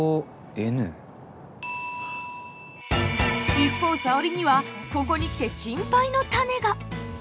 一方沙織にはここに来て心配の種が。